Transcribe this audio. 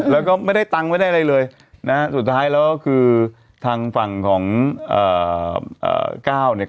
แล้วก็ไม่ได้ตังค์ไม่ได้อะไรเลยนะฮะสุดท้ายแล้วก็คือทางฝั่งของก้าวเนี่ย